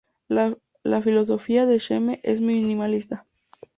La filosofía de Scheme es minimalista.